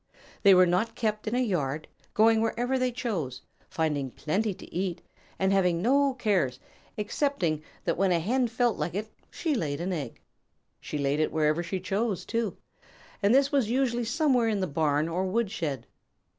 They were not kept in a yard, going wherever they chose, finding plenty to eat, and having no cares, excepting that when a Hen felt like it she laid an egg. She laid it wherever she chose, too, and this was usually somewhere in the barn or woodshed.